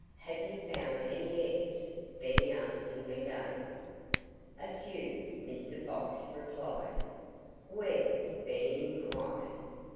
"Have you found any eggs?" Benny asked him again. "A few!" Mr. Fox replied. "Where?" Benny inquired.